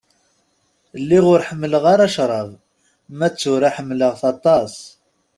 Lliɣ ur ḥemmleɣ ara ccṛab, ma d tura ḥemmlaɣ-t aṭas.